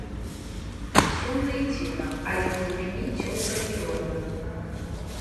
Сумна і дзіўна, але ў глыбіні цёпла і родна.